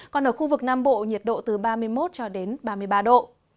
còn ở khu vực nam bộ nhiệt độ từ ba mươi một cho đến ba mươi ba độ